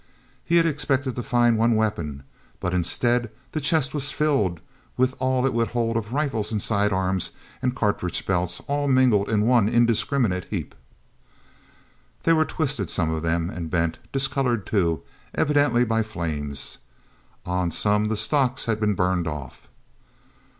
He had expected to find the one weapon, but, instead, the chest was filled with all it would hold of rifles and side arms and cartridge belts, all mingled in one indiscriminate heap. They were twisted, some of them, and bent; discolored, too, evidently by flames. On some the stocks had been burned off.